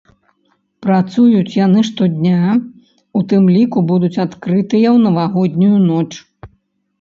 Працуюць яны штодня, у тым ліку будуць адкрытыя ў навагоднюю ноч.